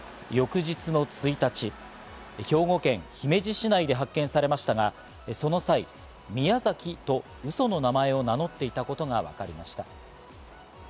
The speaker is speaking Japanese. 翌日の１日、兵庫県姫路市内で発見されましたが、その際、ミヤザキとウソの名前を名乗っていたことがわかりました。